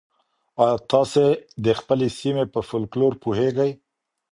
ایا تاسي د خپلې سیمې په فولکلور پوهېږئ؟